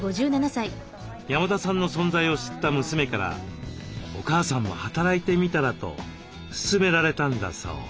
山田さんの存在を知った娘から「お母さんも働いてみたら」と勧められたんだそう。